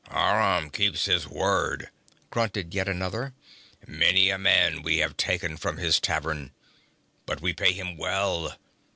'Aram keeps his word,' grunted yet another. 'Many a man we have taken from his tavern. But we pay him well.